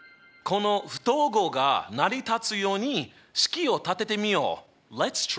この不等号が成り立つように式を立ててみよう。